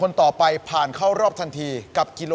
แน่นอนค่ะ